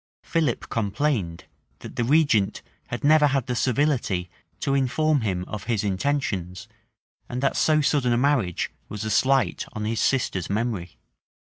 [] Philip complained, that the regent had never had the civility to inform him of his intentions, and that so sudden a marriage was a slight on his sister's memory.